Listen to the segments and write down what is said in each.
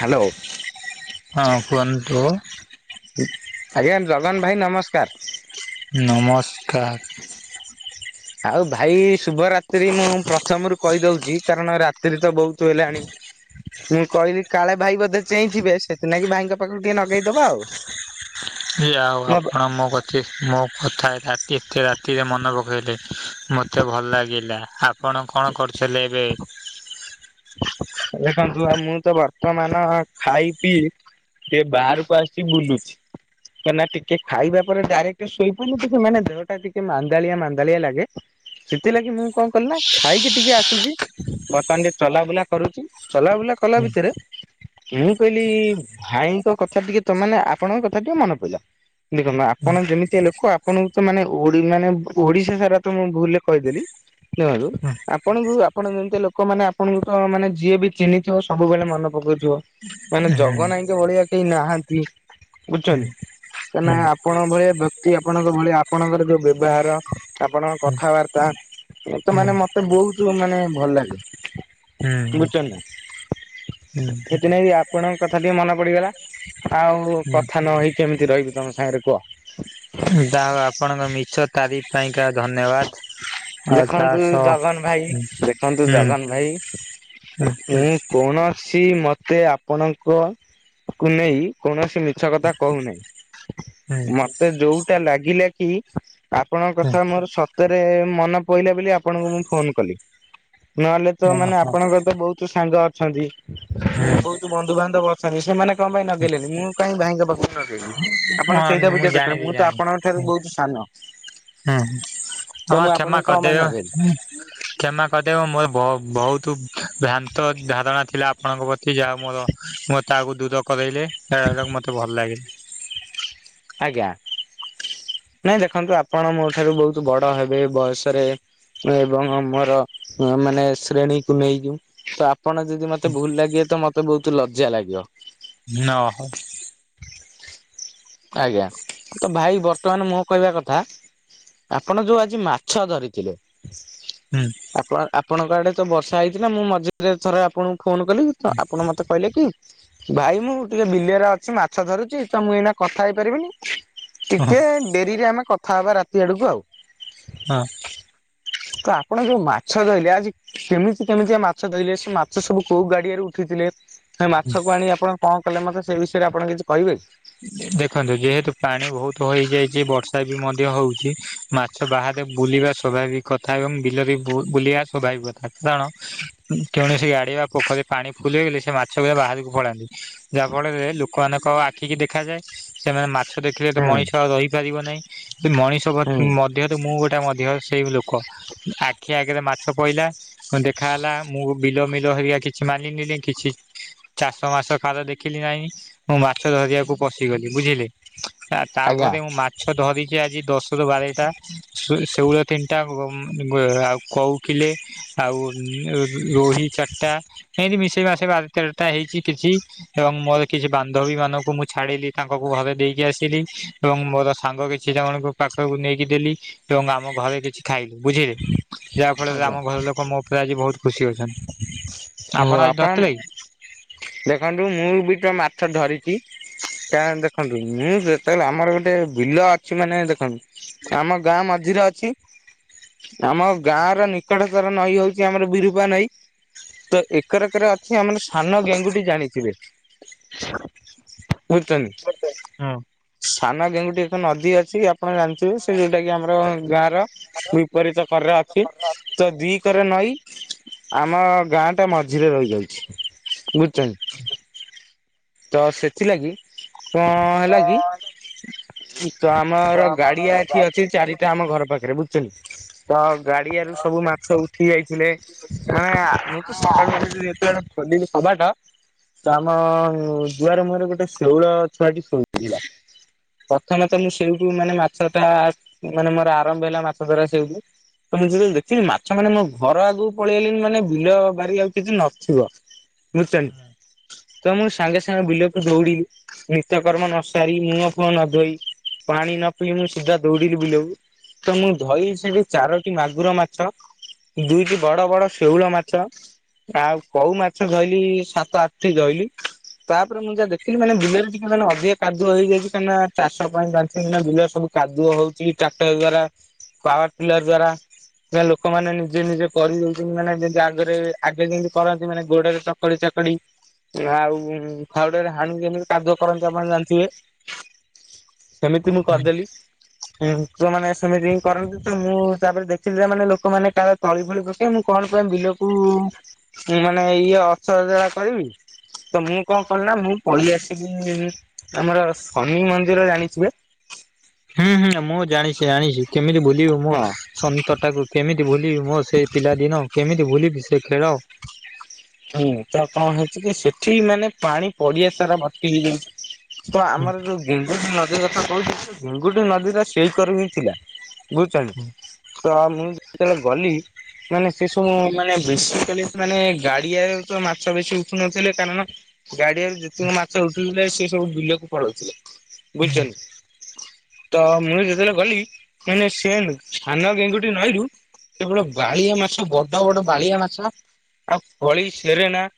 Hello. ହଁ କୁହନ୍ତୁ ଆଜ୍ଞା ଜଗନ ଭାଇ ନମସ୍କାର। ନମସ୍କାର। ଆଉ ଭାଇ ଶୁଭରାତ୍ରି ମୁଁ ପ୍ରଥମରୁ କହିଦଉଛି କାରଣ ରା ତ୍ରି ତ ବହୁତ ହେଲାଣି। ମୁଁ କହିଲି କାଳେ ଭାଇ ବୋଧେ ଚେଇଁ ଯିବେ ସେଥିନା କିି ଭାଇଙ୍କ ପାଖକୁ ଟିକେ ଲଗେଇଦବା ଆଉ। ଆଉ ଆପଣ ମୋ କତିକି ମୋ କଥା ରାତି ଏତେ ରାତିରେ ମନେ ପକାଇଲେ। ମତେ ଭଲ ଲାଗିଲା ଆପଣ କଣ କରୁଥିଲେ ଏବେ? ଦେଖନ୍ତୁ ଆଉ ମୁଁ ତ ବର୍ତ୍ତମାନ ଖାଇ ପିଇ ଟିକେ ବାହାରକୁ ଆସି ବୁଲୁଛି। କାହିଁକି ନା ଟିକେ ଖାଇବା ପରେ ଡାଇରେକ୍ଟ ଶୋଇପାରୁନି ଟେ ମାନେ ଦେହ ଟା ଟିକେ ମାନ୍ଦାଳିଆ ମାନ୍ଦାଳିଆ ଲାଗେ। ସେଥିଲାଗି ମୁଁ କଣ କଲି ନା ଖାଇକି ଟିକେ ଆସୁଛି ବର୍ତ୍ତମାନ। ଚଲାବୁଲା କରୁଛି ଚଲାବୁଲା କଲା ହୁଁ ଭିତରେ ମୁଁ କହିଲି ଭାଇଙ୍କ କଥା ଟିକେ ତମେ ଆପଣଙ୍କ କଥା ଟିକେ ମନେ ପଇଲା। ଦେଖନ୍ତୁ ହୁଁ ଆପଣ ଯେମିତିଆ ଲୋକ ଆପଣଙ୍କୁ ତ ମାନେ ମାନେ ଓଡିଶା ସାରା ତ ମୁଁ ଭୁଲରେ କହିଦେଲି। ଦେଖନ୍ତୁ ଆପଣଙ୍କୁ ଆପଣ ଯେମିତି ଲୋକମାନେ ଆପଣଙ୍କୁ ତ ମାନେ ଯିଏ ବି ଚିହ୍ନିଥିବ ସବୁବେଳେ ମନେ ପକଉଥିବ। ମାନେ ହୁଁ ଜଗନ ଆଇକେ ଭଳିଆ କେହି ନାହାନ୍ତି ହୁଁ ବୁଝୁଛନ୍ତି। କ ଆପଣଙ୍କ ଭଳିଆ ବ୍ୟକ୍ତି ଆପଣଙ୍କ ଭଳିଆ ଆପଣଙ୍କର ଯୋଉ ବ୍ୟବହାର ଆପଣଙ୍କ ହୁଁ କଥାବାର୍ତ୍ତା ତ ମାନେ ମତେ ବହୁତ ମାନେ ଭଲ ଲାଗେ। ହୁଁ ବୁଝୁଛନ୍ତି ନା ସେଥିନାଗି ଆପଣଙ୍କ କଥା ଟିକେ ମନେ ପଡିଗଲା। ଆଉ ହୁଁ। କଥା ନହେଇ କେମିତି ରହିବି ତମ ସାଙ୍ଗରେ କୁହ? ଯାହା ହଉ ଆପଣଙ୍କ ମିଛ ତାରିଖ ପାଇଁକା ଧନ୍ୟବାଦ। ଆଉ ତା ଦେଖନ୍ତୁ ସହ ଜଗନ ଭାଇ ହୁଁ ଦେଖନ୍ତୁ ହୁଁ ଜଗନ ଭାଇ ହୁଁ ମୁଁ କୌଣସି ମତେ ଆପଣଙ୍କ କୁ ନେଇ କୌଣସି ମିଛ କଥା କହୁନାହିଁ ହୁଁ ମତେ ଯୋଉଟା ଲାଗିଲା କି ଆପଣଙ୍କ କଥା ମୋର ସତରେ ମନ ପଡଲା ବୋଲି ଆପଣଙ୍କୁ ମୁଁ ଫୋନ କଲି। ନହେଲେ ତ ମାନେ ଓହୋ ଆପଣଙ୍କର ତ ବହୁତ ସାଙ୍ଗ ଅଛନ୍ତି। ହୁଁ। ବହୁତ ବନ୍ଧୁବାନ୍ଧବ ଅଛନ୍ତି ସେମାନେ କଣ ପାଇଁ ନଗେଇଲେନି ମୁଁ କାଇଁ ଭାଇଙ୍କ ପାଖକୁ ଆପଣ ହଁ ସେଇଟା ବୀଜ ଦେଖିଲେ ଜାଣିଲି ମୁଁ ତ ଜାଣିଲି। ଆପଣଙ୍କ ଠାରୁ ବହୁତ ସାନ। ହୁଁ ତ ହଁ ମୁଁ କ୍ଷମା ଆପଣଙ୍କୁ କଣ ପାଇଁ କରିଦେବେ ନଗେଇଲି ହୁଁ। କ୍ଷମା କରିଦେବ ମୋର ବହୁତ ଭ୍ରାନ୍ତ ଧାରଣା ଥିଲା ଆପଣଙ୍କ ପ୍ରତି ଯାହା ମୋର ମୁଁ ତାକୁ ଦୂର କରେଇଲେ ହେରା ମତେ ଭଲ ଲାଗେ। ଆଜ୍ଞା। ନାଇଁ ଦେଖନ୍ତୁ ଆପଣ ମୋ ଠାରୁ ବହୁତ ବଡ଼ ହେବେ ବୟସରେ ଏବଂ ମୋର ମାନେ ଶ୍ରେଣୀକୁ ନେଇ ବା ଆପଣ ଯ ଯଦି ମତେ ଭୁଲ ଲାଗିବ ତ ମତେ ବହୁତ ଲଜ୍ୟା ଲାଗିବ। ନହ ଆଜ୍ଞା ତ ଭାଇ ବର୍ତ୍ତମାନ ମୋ କହିବା କଥା ଆପଣ ଯୋଉ ଆଜି ମାଛ ଧରିଥିଲେ ହୁଁ। ଆପଣ ଆପଣଙ୍କ ଆଡେ ତ ବର୍ଷା ହେଇଥିଲା ନା ମୁଁ ମଝିରେ ଥରେ ଆପଣଙ୍କୁ ଫୋନ୍ କଲି ଆପଣ ମତେ କହିଲେ କି ଭାଇ ମୁଁ ଟିକେ ବିଲିରେ ଅଛି ମାଛ ଧରୁଛି ତ ମୁଁ ଏଇନା କଥା ହେଇପାରିବିନି ହଁ ଟିକେ ଡେରିରେ ଆମେ କଥା ହବା ରାତି ଆଡକୁ ଆଉ। ହଁ। ତ ଆପଣ ଯୋଉ ମାଛ ଧରିଲେ ଆଜି କେମିତି କେମିତିଆ ମାଛ ଧରିଲେ ସେ ମାଛ ସବୁ କୋଉ ଗାଡିଆରୁ ଉଠିଥିଲେ ହେ ମାଛକୁ ଆଣି ଆପଣ କଣ କଲେ ମତେ ସେ ବିଷୟରେ ଆପଣ କିଛି କହିବେ କି? ଦେଖନ୍ତୁ ଯେହେତୁ ପାଣି ବହୁତ ହୋଇଯାଇଛି ବର୍ଷା ବି ମଧ୍ୟ ହୋଉଛି ମାଛ ବାହାରେ ବୁଲିବା ସ୍ୱାଭାବିକ୍ କଥା ଏବଂ ବିଲରେ ବୁଲିବା ସ୍ଵଵାଭାବିକ୍ କଥା କାରଣ କୌଣସି ଗାଡି ବା ପୋଖରୀ ପାଣି ଫୁଲ ହେଇଗଲେ ସେ ମାଛ ରା ବାହାରକୁ ପଳାନ୍ତି। ଯାହା ଫଳରେ ଲୋକମାନଙ୍କ ଆ ଠିକ୍ ଦେଖାଯାଏ ସେମାନେ ମାଛ ଦେଖିଲେ ତ ହୁଁ ମଣିଷ ରହିପାରିବ ନାହିଁ ମଣିଷ ହୁଁ ମଧ୍ୟ କି ମୁଁ ଗୋଟେ ମଧ୍ୟ ସେଇ ଲୋକ ଆଖି ଆଗରେ ମାଛ ପଇଲା ହଁ ଦେଖା ହେଲା ମୁଁ ବିଲ ମିଲ ହେରା କିଛି ମାନିଲିନି କିଛି ଚାଷ ମାସ ଖାଦ ଦେଖିଲି ନାହିଁ ମୁଁ ମା ମାଛ ଧରିବାକୁ ପଶିଗଲି ବୁଝିଲେ ଆଜ୍ଞା ତାପରେ ମୁଁ ମା ଛ ଡ଼ରିକି ଆଜି ଦଶରୁ ବାରେଟା ଶେଉଳ ତିନିଟା ଆଉ କୋଉ କିଲେ ଆଉ ରୋହି ଚାରିଟା ଏମତି ମିସେଇ ମାସେଇ ତେରଟା ହେଇଛି କିଛି ଏବଂ ମୋର କିଛି ବା ପଦବୀ ମାନଙ୍କୁ ମୁଁ ଛାଡ଼ିଲି ତାଙ୍କୁ ଘରେ ଦେଇକି ଆସିଲି ଏବଂ ମୋର ସାଙ୍ଗ କିଛି ଜଣକୁ ପାଖକୁ ନେଇକି ଦେଲି ଏବଂ ଆମ ଘରେ କିଛି ଖାଇଲି ବୁଝିଲେ ଯାହା ଫଳରେ ଆମ ହଉ ଘର ଲୋକ ମୋ ଆଜି ବହୁତ ଖୁସି ଅଛନ୍ତି। ଆପଣ ଆଜି ଧରିଥିଲେ କି? ଦେଖନ୍ତୁ ମୁଁ ବି ତ ମାଛ ଧରିଚି ତାହେଲେ ଦେଖନ୍ତୁ ମୁଁ ଯେତେବେଳେ ଆମର ଗୋଟେ ବିଲ ଅଛି ମାନେ ଦେଖନ୍ତୁ ଆମ ଗାଁ ମଝିରେ ଅଛି। ଆମ ଗାଁ ର ନିକଟତର ନଈ ହୋଉଛି ଆମର ବିରୂପା ନଈ। ତ ଏକରକରେ ଅଛି ଆମାନ ସାନ ଗେଙ୍ଗୁଟି ଜାଣିଥିବେ? ପୁତୁନୀ ହୁଁ। କାମ ଗେଙ୍ଗୁଟି ଏକ ନଦୀ ଅଛି ଆପଣ ଜାଣିଥିବେ ଯୋଉଟା କି ଆମର ଗାଁ ର ବିପରୀତ କରରେ ଅଛି ତ ଦି କରେ ନଈ ଆମ ଗାଁ ଟା ମଝିରେ ରହିଯାଉଛି ବୁଝିଛ ତ ସେଥିଲାଗି କଣ ହେଲା କି ତ ଆମର ଗାଡିଆ ଏଠି ଅଛି ଚାରି ସେ ଆମ ଘର ପାଖରେ ବୁଝିନ୍ତି ତ ଗାଡିଆରୁ ସବୁ ମା ସବୁ ଠିକ ଯାଇଥିଲେ ମାନେହାଁ ମୁଁ ତ ସକାଳୁ ଯେତବେ ଖୋଲି କି ପଡି କି କବାଟ ତ ଆମ ଯୁଆର ମୁହଁରେ ଗୋଟେ ଶେଉଳ ଛୁଆଟି ଶୋଉଥିଲା। ପ୍ରଥମେ ତ ମୁଁ ସେଇଠୁ ମାନେ ମାଛ ଟା ମାନେ ମୋର ଆରମ୍ଭ ହେଲା ମାଛ ଧରା ସେଇଠୁ ତ ମୁଁ ଯେତେବେଳେ ଦେଖିବି ମାଛ ମାନେ ମୋ ଘର ଆଗକୁ ପଳେଇଲିଣି ମାନେ ବିଲ ବାରି ଆଉ କିଛି ନଥିବ ବୁଝିଛନ୍ତି। ତ ମୁଁ ସାଙ୍ଗେ ସାଙ୍ଗେ ବିଲକୁ ଦୌଉଡ଼ି ନିତ୍ୟକର୍ମ ନ ସାରି ମୁହ ଫୁଅ ନ ଧୋଇ ପାଣି ନ ପିଇ ମୁଁ ସିଧା ଦୌଡିଲି ବିଲକୁ। ତ ମୁଁ ଧୋଇ ସେଠି ଚାରୋଟି ମାଗୁର ମାଛ, ଦୁଇଟି ବଡ ବଡ ଶେଉଳ ମାଛ ଆଉ କଉ ମାଛ ଧଇଲି ସାତ ଆଠ ଟି ଧଇଲି। ତାପରେ ମୁଁ ଯାହା ଦେଖିଲି ମାନେ ବିଲରେ ଟିକେ ମାନେ ଅଧିକ କାଦୁ ହେଇଯାଇଛି। କାହିଁକି ନା ଚାଷ ପାଇଁ ଜାଣିଚ ନା ବିଲ ସବୁ କାଦୁଅ ହଉଛି ଟ୍ରାକ୍ଟର ଦ୍ଵାରା। ପାୱାର ପିଲାର ଦ୍ଵାରା ଯେ ଲୋକମାନେ ନିଜେ ନିଜେ କରିଦଉଛନ୍ତି ମାନେ ଯି ଆଗରେ ଆଗେ ଯେମିତି କରନ୍ତି ମାନେ ଗୋଡରେ ଚକଡି ଚାକଡି। ଆଉ ଫାଉଡ଼ାରେ ହାଣି କେମିତି କାଦୁଅ କରନ୍ତି ଆପଣ ଜାଣିଥିବେ? ସେମିତି ମୁଁ ହୁଁ। କରିଦେଲି। ଉଁ ଯୋଉ ମାନେ ସେମିତି ହିଁ କରନ୍ତି ତ ମୁଁ ହିସାବରେ ଦେଖିଲି ଯେ ମାନେ ଲୋକମାନେ କାଳେ ତଳି ଫଳି ପକଈ ମୁଁ କଣ ପାଇଁ ବିଲକୁ ମାନେ ଇଏ ଅସଜଡ଼ା କରିବି। ତ ମୁଁ କଣ କଲି ନା ମୁଁ ପଳେଇ ଆସିଲି ଆମର ଶନି ମନ୍ଦିର ଜାଣିଥିବେ? ହୁଁ ହୁଁ ମୁଁ ଜାଣିଛି ଆଣିଛି କେମିତି ବୁଲିବୁ ମୁଁ ହଁ ସ ତଟାକୁ। କେମିତି ଭୁଲି ମୋ ସେ ପିଲା ଦିନ କେମିତି ଭୁଲିବି ସେ ଖେଳ? ହୁଁ ତ କଣ ହେଇଛି କି ସେଠି ମାନେ ପାଣି ପଡିଆ ସାରା ଭର୍ତ୍ତି ହେଇଯାଇଛି। ତ ହଁ ଆମର ଯୋଉ ଗେଙ୍ଗୁଟି ନଦୀ କଥା କହୁଛି ଗେଙ୍ଗୁଟି ନଦୀ ଟା ସେଇକରେ ହିଁ ଥିଲା। ବୁଝଛନ୍ତି ତ ମୁଁ ଯେତେବେଳେ ଗଲି ମାନେ ସେସବୁ ମାନେ ବେଶିକାଲି ମାନେ ଗା ଡିଆରେ ତ ମାଛ ବେଶୀ ଉଠୁ ନଥିଲେ କାରଣ ଗାଡିଆରେ ଯେତିକ ମାଛ ଉଠୁଥିଲେ ସେ ସବୁ ବୁିଲକୁ ପଳଉଥିଲେ ବୁଝିଛନ୍ତି। ତ ମୁଁ ଯେତେବେଳେ ଗଲି କାଇଙ୍କିନା ସେ ସାନ ଗେଙ୍ଗୁଟି ନଈରୁ କେବଳ ବାଳିଆ ମାଛ ବଡ ବଡ ବାଳିଆ ମାଛ ଆଉ ଫଳି ସେରେନା।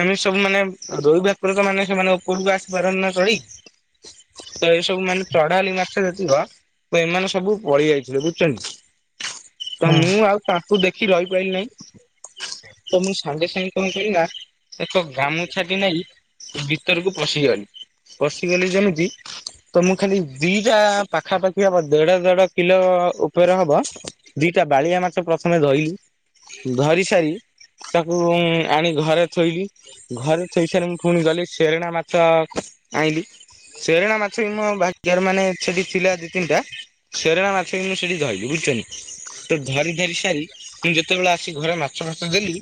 ଏମତି ସବୁ ମାନେ ରୋଇବା [unintelligible] ମାନେ ସେମାନେ ଉପରକୁ ଆସି ପାରନ୍ତି ନା ସଇ। ତ ଏଇ ସବୁ ମାନେ ଚଢା ହେଲି ମାଛ ଯେତିିବ ତ ଏମାନେ ସବୁ ପଳେଇ ଯାଇଥିଲେ ବୁଝୁଛନ୍ତି। ତ ମୁଁ ହଁ ଆଉ ତାଙ୍କୁୁ ଦେଖି ରହିପାରିଲି ନାହିଁ। [inaudible] ତ ମୁଁ ସାଙ୍ଗେ ସାଙ୍ଗେ କଣ କହିଲ ନା ଏକ ଗାମୁ ଟି ନେଇ ଭିତରକୁ ପଶିଗଲି ପଶିଗଲି ଯେମିତି ତ ମୁଁ ଖାଲି ଦିଟା ପାଖାପାଖି ହବ ଦେଢ ଦେଢ କିଲ ଉପରେ ହବ ଦିଟା ବାଳିଆ ମାଛ ପ୍ରଥମେ ଧଇଲି ଧରି ସାରି ତାକୁ ଉଁ ଆଣି ଘରେ ଥୋଇକି ଘରେ ଥୋଇସାରି ମୁଁ ପୁଣି ଗଲି ସେରଣା ମାଛ ଆଣଲିି। ସେରଣା ମାଛ ବି ମୋ ଭାଗ୍ୟରେ ମାନେ ସେଠି ଥିଲା ଦିଇ ତିନିଟା। ସେରେଣା ମାଛ କିନ୍ତୁ ସେଠି ଧଇଲି ବୁଝିଛନି। ତ ଧରି ଧାରି ସାରି ମୁଁ ଯେତେବେଳେ ଆସି ଘରେ ମାଛ ଫାଛ ଦେଲି।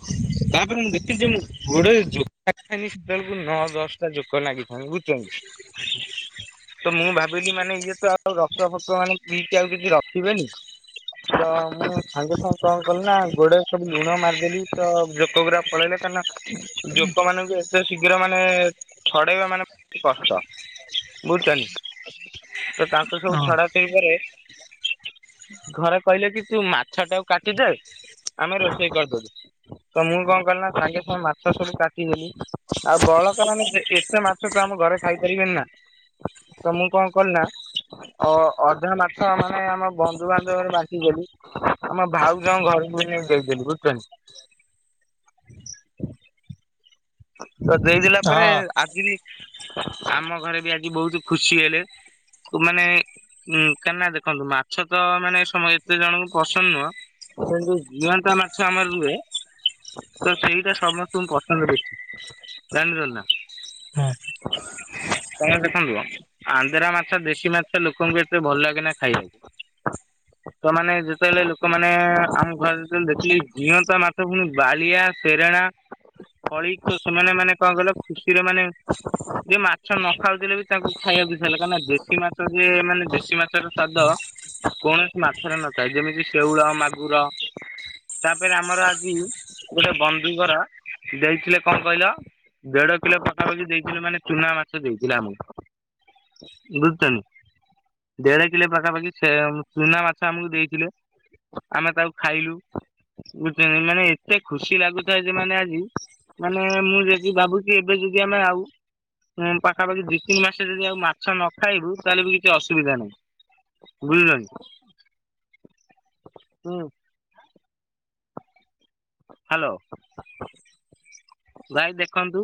ତାପରେ ମୁଁ ଦେଖଥିଲି ଯେ ମୁଁ ଗୋଡ଼ରେ ଜୋକା ସେତେବେଳକୁ ନଅ ଦଶଟା ଯୋକ ଲାଗିଥାନ୍ତି ବୁଝୁଛନ୍ତି। [inaudible] ତ ମୁଁ ଭାବିଲି ମାନେ ଇଏ ତ ଆଉ ରକ୍ ଫକ୍ ମାନେ ପଇକି ଆଉ କିଛି ରଖିବେନି। ତ ମୁଁ ସାଙ୍ଗେ ସାଙ୍ଗେ କଣ କଲି ନା ଗୋଡ ସବୁ ଲୁଣ ମାରିଦେଲି। ତ ଜୋକପୁରା ପଳେଇଲେ କ ନା ଯୋକ ମାନଙ୍କୁ ଏତେ ଶୀଘ୍ର ମାନେ ଛଡେଇବା ମାନେ କଷ୍ଟ। ବୁଝୁଛନି ତ ତାଙ୍କୁ ସବୁ ଛଡା କିପାରେ ଘରେ କହିଲେ କି ତୁ ମାଛ ଟାକୁ କାଟିଦେ ଆମେ ରୋଷେଇ କରିଦଉ। ତ ମୁଁ କଣ କଲି ନା ସାଙ୍ଗେ ସଙ୍ଗେ ମାଛ ସବୁ କାଟିଦେଲି ଆଉ ବଳକା ମାନେ କେତେ ମାଛ ତ ଆମ ଘରେ ଖାଇପାରିବେନି ନା ତ ମୁଁ କଣ କଲି ନା ଅ ଅଧା ମାଛ ମାନେ ଆମ ବନ୍ଧୁବାନ୍ଧବରେ ବାଣ୍ଟି ଦେଲି। ଆମ ଭାଉଜଙ୍କ ଘରକୁ ଏଇନା [unintelligible] ତ ଦେଇଦଲା ପରେ ଆଜି ଲି ଆମ ଘରେ ବି ଆଜି ବହୁତ ଖୁସି ହେଲେ। ମାନେ ଉ କାହିଁ ନା ଦେଖନ୍ତୁ ମାଛ ତ ମାନେ ସମ ଏତେ ଜଣଙ୍କୁ ପସନ୍ଦ ନୁହଁ। ସେ ଯୋଉ ଜିଅନ୍ତା ମାଛ ଆମର ରୁହେ ତ ସେଇଟା ସମସ୍ତଙ୍କୁ ପସନ୍ଦ କରିଛି। ଜାଣିଛ ନା। [unintelligible] ତମେ ଦେଖନ୍ତୁ ଆନ୍ଧ୍ରା ମାଛ ଦେଶୀ ମାଛ ଲୋକଙ୍କୁ ଏତେ ଭଲ ଲାଗେ ନା ଖାଇବାକୁ। [inaudible] ମାନେ ଯେତେବେଳେ ଲୋକମାନେ ଆମ ଘର ଯେତେବେଳେ ଦେଖିଲେ ଜିଅନ୍ତା ମାଛ ପୁଣି ବାଳିଆ ସେରେଳା। ହଳି ତ ସେମାନେ ମାନେ କଣ କହିଲ ଖୁସିରେ ମାନେ ଯେ ମାଛ ନ ଖାଉଥିଲେ ବି ତାଙ୍କୁ ଖାଇବାକୁ ଇଛା ହେଲା କାହିକିଁ ନା ଦେଶ ଶି ମାଛ ଯିଏ ମାନେ ଦେଶୀ ମାଛର ସ୍ଵାଦ। କୌଣସି ମାଛରେ ନଥାଏ ଯେମିତି ଶେଉଳ ମାଗୁର। ତାପରେ ଆମର ଆଜି ଗୋଟେ ବନ୍ଧୁ ଘର ଦେଇଥିଲେ। କଣ କହିଲ ଦେଢ଼ କିଲ ପଖାପାଖି ଦେଇଥିଲେ ମାନେ ଚୁନା ମାଛ ଦେଇଥିଲେ ଆମକୁ। [unintelligible] ଦେଢ଼ କିଲୋ ପାଖାପାଖି ଚନା ମାଛ ଆମକୁ ଦେଇଥିଲେ। ଆମେ ତାକୁ ଖାଇଲୁ ବୁଝ ମାନେ ଏତେ ଖୁସି ଲାଗୁଥାଏ ଯେ ମାନେ ଆଜି। ମାନେ ମୁଁ ଯଦି ଭାବୁଛି ଏବେ ଯଦି ଆମେ ଆଉ ହଁ ପାଖାପଖି ଦିଇ ତିନି ମାସ ଯଦି ଆଉ ମାଛ ନ ଖାଇବୁ ତାହେଲେ ବି କିଛି ଅସୁବିଧା ନାହିଁ। ବୁଝିଲଣି ହୁଁ। ହ୍ୟାଲୋ ଭାଇ ଦେଖନ୍ତୁ।